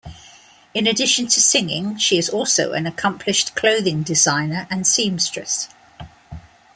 In addition to singing, she is also an accomplished clothing designer and seamstress.